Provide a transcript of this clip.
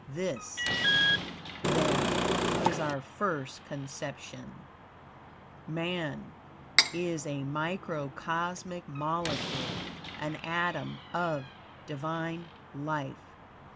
This, then, is our first conception Man, is a microcosmic molecule, an atom of divine life.